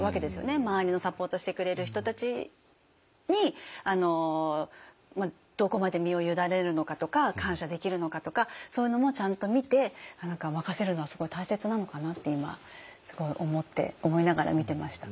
周りのサポートしてくれる人たちにどこまで身を委ねるのかとか感謝できるのかとかそういうのもちゃんと見て任せるのはすごい大切なのかなって今思いながら見てました。